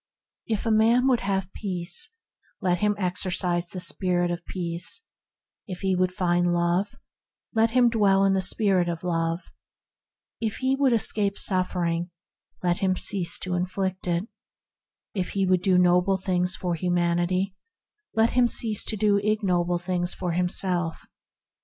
If a man would have peace, let him exercise the spirit of Peace; if he would find love, let him dwell in the spirit of Love; if he would escape suffering, let him cease to inflict it; if he would do noble things for 90 THE HEAVENLY LIFE humanity, let him cease to do ignoble things for himself.